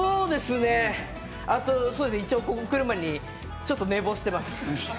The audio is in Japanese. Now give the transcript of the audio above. ここ来る前に、ちょっと寝坊してます。